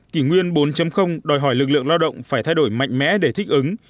kỷ nguyên bốn đòi hỏi lực lượng lao động phải thay đổi mạnh mẽ để thích ứng